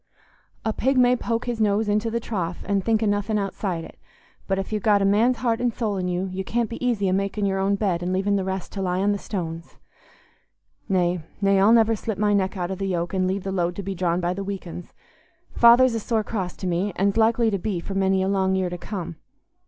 A pig may poke his nose into the trough and think o' nothing outside it; but if you've got a man's heart and soul in you, you can't be easy a making your own bed an' leaving the rest to lie on the stones. Nay, nay, I'll never slip my neck out o' the yoke, and leave the load to be drawn by the weak uns. Father's a sore cross to me, an's likely to be for many a long year to come.